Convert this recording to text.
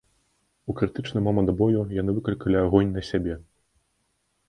У крытычны момант бою яны выклікалі агонь на сябе.